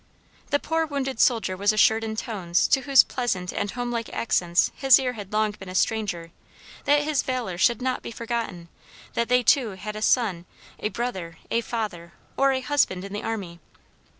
The poor wounded soldier was assured in tones, to whose pleasant and homelike accents his ear had long been a stranger, that his valor should not be forgotten, that they too had a son, a brother, a father, or a husband in the army.